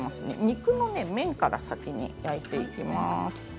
肉の面から先に焼いていきます。